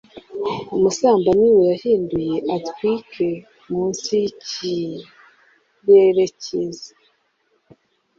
Umusambanyi we yahinduye a-twinkle, munsi yikirere cyiza.